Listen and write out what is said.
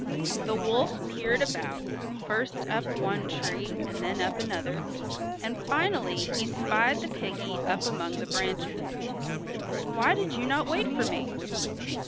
The wolf peered about, first up one tree and then up another, and finally he spied the piggy up among the branches. "Why did you not wait for me?"